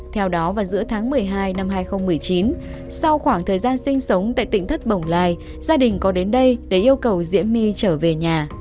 theo đó vào giữa tháng một mươi hai năm hai nghìn một mươi chín sau khoảng thời gian sinh sống tại tỉnh thất bồng lai gia đình có đến đây để yêu cầu diễm my trở về nhà